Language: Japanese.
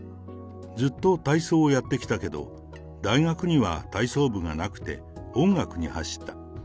ずっと体操をやってきたけど、大学には体操部がなくて、音楽に走った。